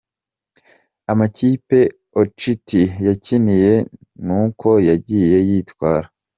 Amakipe Ociti yakiniye n’uko yagiye yitwara: .